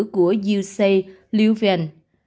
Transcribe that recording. của uc loven